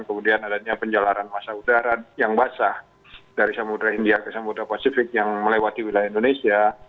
kemudian adanya penjelaran masa udara yang basah dari samudera india ke samudera pasifik yang melewati wilayah indonesia